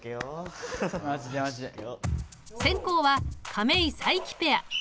先攻は亀井・佐伯ペア。